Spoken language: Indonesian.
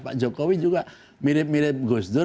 pak jokowi juga mirip mirip gus dur